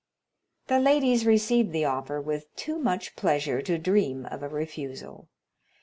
The ladies received the offer with too much pleasure to dream of a refusal.